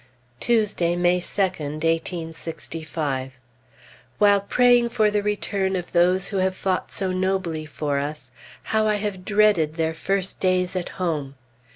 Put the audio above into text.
Tuesday, May 2d, 1865. While praying for the return of those who have fought so nobly for us, how I have dreaded their first days at home!